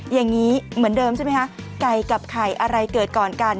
อย่างนี้เหมือนเดิมใช่ไหมคะไก่กับไข่อะไรเกิดก่อนกัน